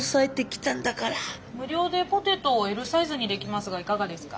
無料でポテトをＬサイズにできますがいかがですか？